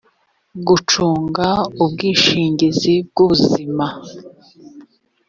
gucunga ubwishingizi bw ubuzima